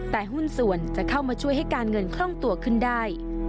แต่หุ้นส่วนจะเข้ามาช่วยให้การเงินคล่องตัวขึ้นได้